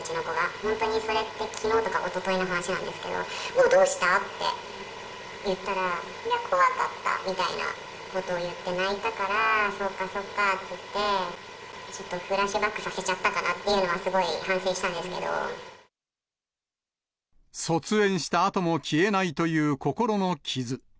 本当にそれって、きのうとかおとといの話なんですけど、どうした？って聞いたら、怖かったみたいなことを言って泣いたから、そっかそっかって言って、ちょっとフラッシュバックさせちゃったかなっていうのは、すごい卒園したあとも消えないという心の傷。